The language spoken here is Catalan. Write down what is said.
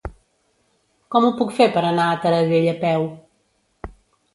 Com ho puc fer per anar a Taradell a peu?